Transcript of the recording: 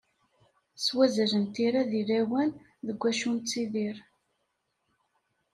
S wazal n tira deg lawan deg wacu nettidir.